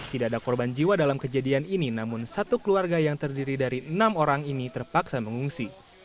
tidak ada korban jiwa dalam kejadian ini namun satu keluarga yang terdiri dari enam orang ini terpaksa mengungsi